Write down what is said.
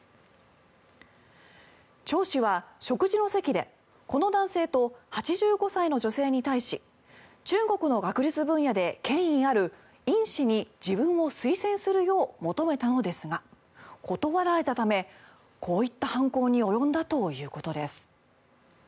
チョウ氏は食事の席でこの男性と８５歳の女性に対し中国の学術分野で権威ある院士に自分を推薦するよう求めたのですが断られたため、こういった犯行に及んだということです。